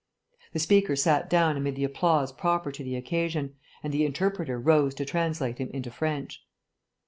The speaker sat down amid the applause proper to the occasion, and the interpreter rose to translate him into French.